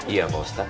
iya pak ustadz